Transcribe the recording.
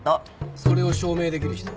それを証明出来る人は？